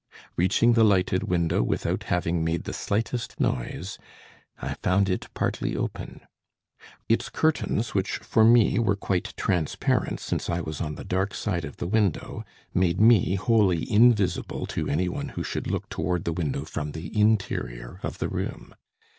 Reaching the lighted window without having made the slightest noise, I found it partly open; its curtains, which for me were quite transparent since I was on the dark side of the window, made me wholly invisible to any one who should look toward the window from the interior of the room.